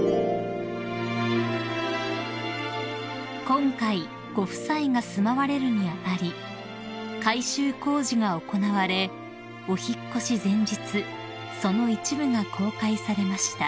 ［今回ご夫妻が住まわれるに当たり改修工事が行われお引っ越し前日その一部が公開されました］